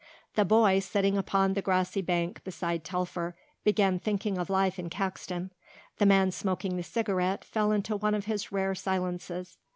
The boy, sitting upon the grassy bank beside Telfer, began thinking of life in Caxton. The man smoking the cigarette fell into one of his rare silences.